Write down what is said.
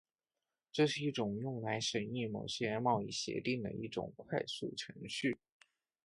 这是一种用来审议某些贸易协定的一种快速程序。